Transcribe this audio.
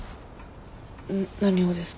ん？何をですか？